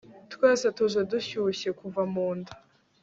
twese tuje dushyushye kuva munda